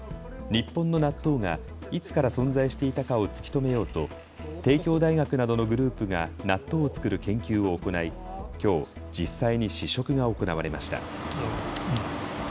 日本の納豆がいつから存在していたかを突き止めようと帝京大学などのグループが納豆を作る研究を行いきょう実際に試食が行われました。